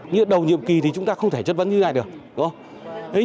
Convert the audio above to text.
như đầu nhiệm kỳ thì chúng ta không thể chất vấn như thế này được đúng không